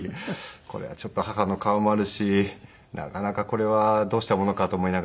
これはちょっと母の顔もあるしなかなかこれはどうしたものかと思いながら。